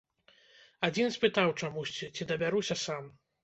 Адзін спытаў чамусьці, ці дабяруся сам.